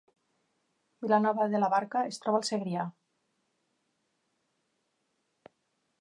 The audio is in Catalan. Vilanova de la Barca es troba al Segrià